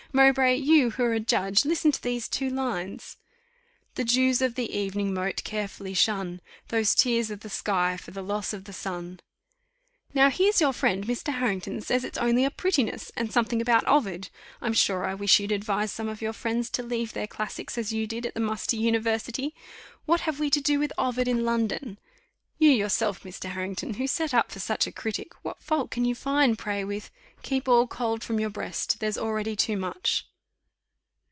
Mowbray, you, who are a judge, listen to these two lines: 'The dews of the evening moat carefully shun, Those tears of the sky for the loss of the sun.' Now, here's your friend, Mr. Harrington, says it's only a prettiness, and something about Ovid. I'm sure I wish you'd advise some of your friends to leave their classics, as you did, at the musty university. What have we to do with Ovid in London? You, yourself, Mr. Harrington, who set up for such a critic, what fault can you find, pray, with 'Keep all cold from your breast, there's already too much?